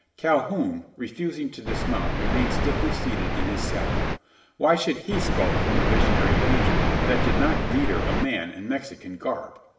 Calhoun, refusing to dismount, remained stiffly seated in his saddle. Why should he skulk from a visionary danger, that did not deter a man in Mexican garb?